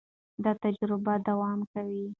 دا تجربه دوام کوي.